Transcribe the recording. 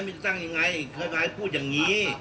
ไม่ตั้งยังไงเคยพาให้พูดอย่างนี้